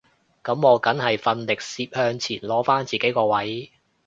噉我梗係奮力攝向前攞返自己個位